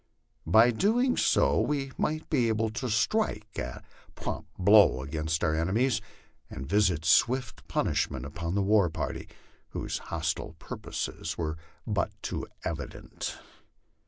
By so doing we might be able to strike a prompt blow against our enemies, and visit swift punishment upon the war party, whose hostile purposes were but too evident.